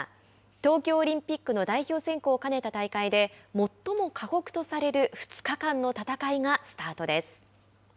東京オリンピックの代表選考を兼ねた大会でもっとも過酷とされる２日間の戦いがスタートです。